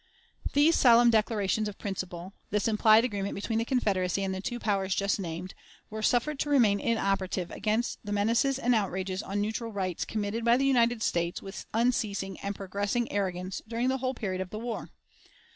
These solemn declarations of principle, this implied agreement between the Confederacy and the two powers just named, were suffered to remain inoperative against the menaces and outrages on neutral rights committed by the United States with unceasing and progressing arrogance during the whole period of the war.